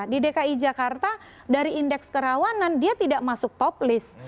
di dki jakarta dari indeks kerawanan dia tidak masuk top list